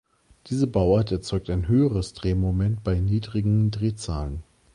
Diese Bauart erzeugt ein höheres Drehmoment bei niedrigen Drehzahlen.